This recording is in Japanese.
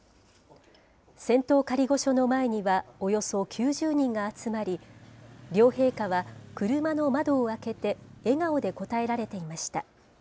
仙洞仮御所の前にはおよそ９０人が集まり、両陛下は車の窓を開けて、笑顔で応えられていました。